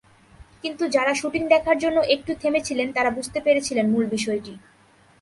কিন্তু যাঁরা শুটিং দেখার জন্য একটু থেমেছিলেন, তাঁরা বুঝতে পেরেছেন মূল বিষয়টি।